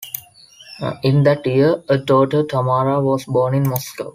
In that year, a daughter, Tamara, was born in Moscow.